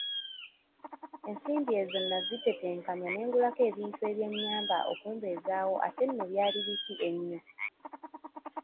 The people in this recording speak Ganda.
Ensimbi ezo nnazitetenkanya ne ngulako ebintu ebyannyamba okumbezaawo ate nno byali biki ennyo!